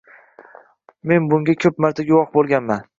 Men bunga ko'p marta guvoh bo'lganman